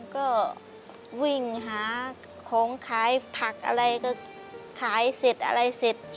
ก็วิ่งหาของขายผักอะไรก็ขายเสร็จอะไรเสร็จ